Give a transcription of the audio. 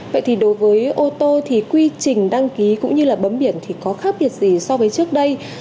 vậy thì đối với ô tô thì quy trình đăng ký cũng như là bấm biển thì có khác biệt gì so với trước đây